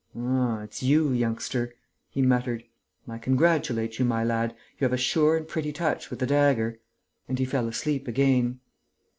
"Ah, it's you, youngster!" he murmured. "I congratulate you, my lad. You have a sure and pretty touch with the dagger." And he fell asleep again.